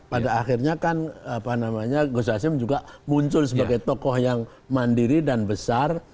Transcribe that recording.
pada akhirnya kan gus hasim juga muncul sebagai tokoh yang mandiri dan besar